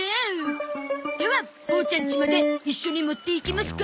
ではボーちゃんちまで一緒に持っていきますか。